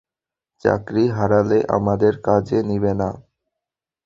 চাকরি হারালে আমাদের কাজে নিবে কে?